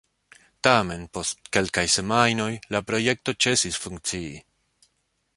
Tamen, post kelkaj semajnoj, la projekto ĉesis funkcii.